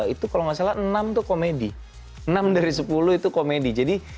itu kalau nggak salah enam itu komedi enam dari sepuluh itu komedi jadi